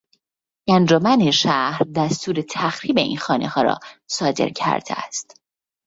انجمن شهر دستور تخریب این خانهها را صادر کرده است.